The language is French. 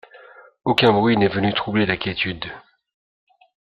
Aucun bruit n’est venu troubler la quiétude.